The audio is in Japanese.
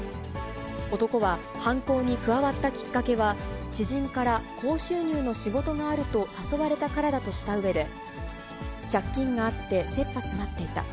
男は、犯行に加わったきっかけは、知人から高収入の仕事があると誘われたからだとしたうえで、借金があって切羽詰まっていた。